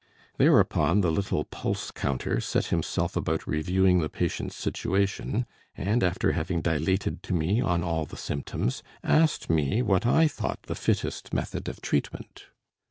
Thereupon the little pulse counter set himself about reviewing the patient's situation; and after having dilated to me on all the symptoms, asked me what I thought the fittest method of treatment.